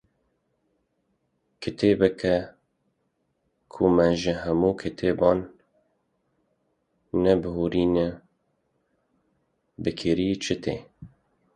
Kitêbeke ku me ji hemû kitêban nebihûrîne bi kêrî çi tê?